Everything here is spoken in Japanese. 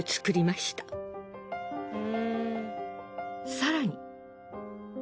更に。